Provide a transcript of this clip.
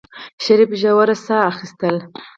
شريف ژوره سا اخېستله.